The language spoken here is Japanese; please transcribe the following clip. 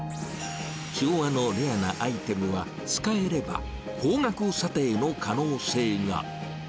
昭和のレアなアイテムは、使えれば、高額査定の可能性が。